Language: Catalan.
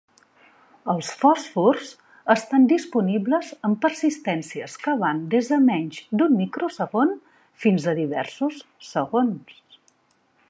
Els fòsfors estan disponibles amb persistències que van des de menys d'un microsegon fins a diversos segons.